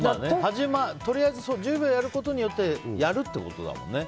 とりあえず１０秒やることによってやるってことだもんね。